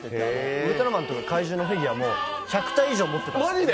ウルトラマンのフィギュアも１００体以上持ってたんです。